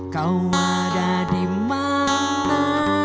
kau ada dimana